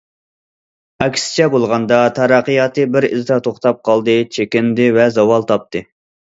ئەكسىچە بولغاندا، تەرەققىياتى بىر ئىزدا توختاپ قالدى، چېكىندى ۋە زاۋال تاپتى.